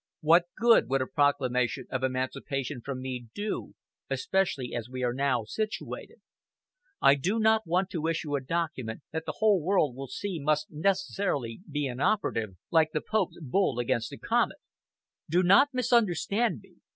What good would a proclamation of emancipation from me do, especially as we are now situated? I do not want to issue a document that the whole world will see must necessarily be inoperative, like the Pope's bull against the comet." "Do not misunderstand me....